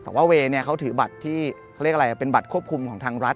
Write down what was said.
แต่ว่าเวย์เขาถือบัตรที่เป็นบัตรควบคุมของทางรัฐ